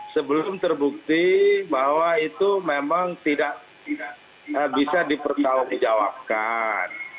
sebelum terbukti bahwa itu memang tidak bisa dipertanggungjawabkan